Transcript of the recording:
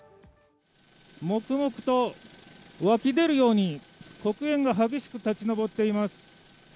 モクモクと湧き出るように黒煙が激しく立ち上っています。